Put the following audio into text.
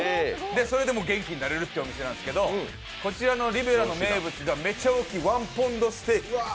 それだけで元気になれるっていうお店なんですけどこちらのリベラの名物がめっちゃ大きい１ポンドステーキ。